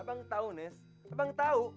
abang tau ness abang tau